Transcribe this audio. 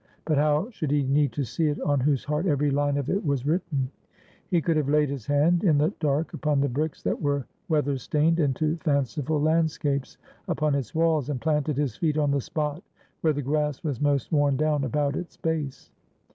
But how should he need to see it, on whose heart every line of it was written? He could have laid his hand in the dark upon the bricks that were weather stained into fanciful landscapes upon its walls, and planted his feet on the spot where the grass was most worn down about its base.